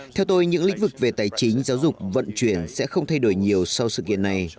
theo tôi những lĩnh vực về tài chính giáo dục vận chuyển sẽ không thay đổi nhiều sau sự kiện này